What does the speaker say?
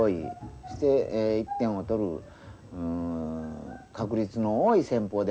そして１点を取る確率の多い戦法であるというね。